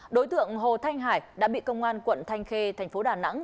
đối tượng hồ thanh hải đã bị công an quận thanh khê thành phố đà nẵng